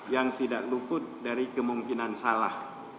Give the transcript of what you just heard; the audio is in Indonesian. yang tidak luput dari kemungkinan salah